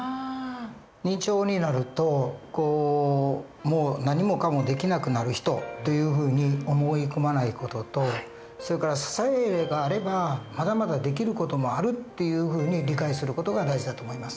認知症になるともう何もかもできなくなる人というふうに思い込まない事とそれから支えがあればまだまだできる事もあるっていうふうに理解する事が大事だと思います。